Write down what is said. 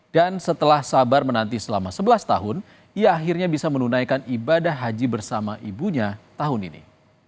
dan setelah sabar menanti selama sebelas tahun ia akhirnya bisa menunaikan ibadah haji bersama ibunya tahun ini